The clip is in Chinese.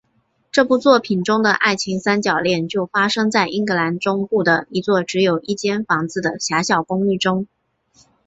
这部作品中的爱情三角恋就发生在英格兰中部的一座只有一间房子的狭小公寓中。